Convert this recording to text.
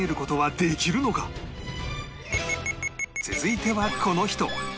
続いてはこの人